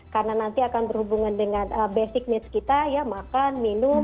karena nanti akan berhubungan dengan basic needs kita ya makan minum